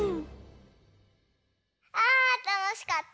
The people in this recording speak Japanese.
あたのしかった。